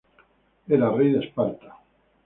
Era rey de Esparta.